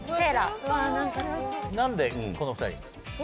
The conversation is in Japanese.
なんでこの２人？